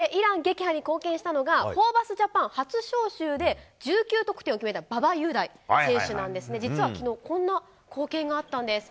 上田さん、格上イラン撃破に貢献したのが、ホーバスジャパン初招集で１９得点を決めた馬場雄大選手なんですが、実はきのう、こんな光景があったんです。